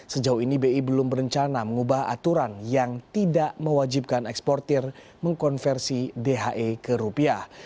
sejauh ini bi belum berencana mengubah aturan yang tidak mewajibkan eksportir mengkonversi dhe ke rupiah